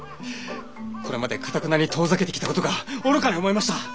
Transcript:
これまでかたくなに遠ざけてきたことが愚かに思えました。